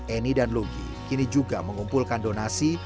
eni dan lugi kini juga mengumpulkan donasi